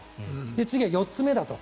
次は４つ目だと。